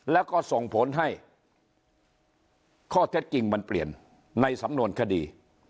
แล้วก็ส่งผลให้ข้อเท็จจริงมันเปลี่ยนในสำนวนคดี